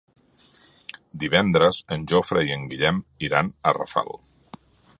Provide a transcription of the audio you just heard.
Divendres en Jofre i en Guillem iran a Rafal.